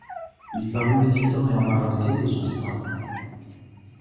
Il parut hésitant et embarrassé de son sabre.